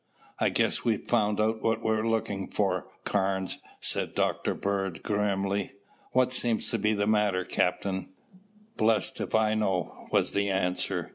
"I guess we've found what we were looking for, Carnes," said Dr. Bird grimly. "What seems to be the matter, Captain?" "Blessed if I know," was the answer.